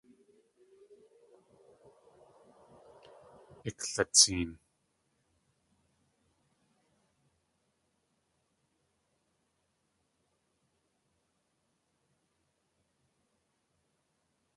Iklatseen!